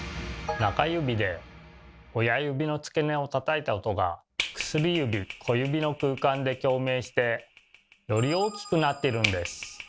中指で親指の付け根をたたいた音が薬指小指の空間で共鳴してより大きくなっているんです。